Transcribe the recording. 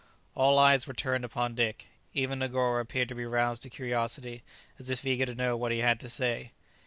All eyes were turned upon Dick. Even Negoro appeared to be roused to curiosity, as if eager to know what he had to say.